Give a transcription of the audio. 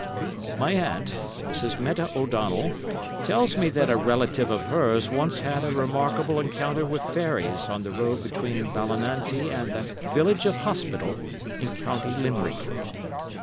My aunt, Mrs. Meta O'Donnell, tells me that a relative of hers once had a remarkable encounter with fairies on the road between Ballinanty and the village of Hospital in County Limerick.